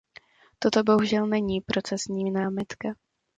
Toto bohužel není procesní námitka.